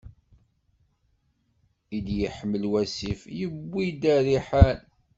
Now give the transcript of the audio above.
I d-iḥmel wassif, yewwi-d ariḥan.